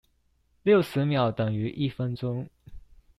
六十秒等於一分鐘